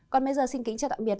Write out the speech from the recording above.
còn bây giờ xin kính chào tạm biệt